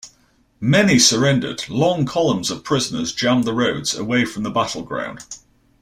Many surrendered-long columns of prisoners jammed the roads away from the battleground.